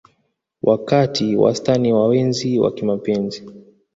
Wakati wastani wa wenzi wa kimapenzi